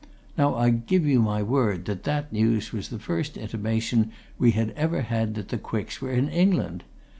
Now I give you my word that that news was the first intimation we had ever had that the Quicks were in England!